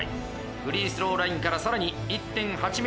フリースローラインからさらに１．８ｍ